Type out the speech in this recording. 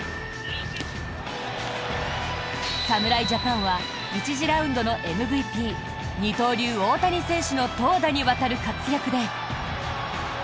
侍ジャパンは１次ラウンドのＭＶＰ二刀流、大谷選手の投打にわたる活躍で。